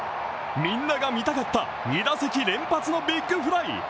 みんなが見たかった２打席連発のビッグフライ。